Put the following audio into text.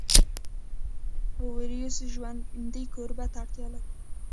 ویروس ژوندي کوربه ته اړتیا لري